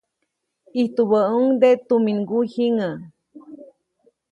Ijtubäʼuŋnde tuminŋguy jiŋäʼ.